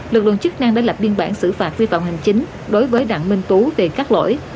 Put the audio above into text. lực lượng chức năng đã lập biên bản xử phạt vi phạm hành chính đối với đặng minh tú về các lỗi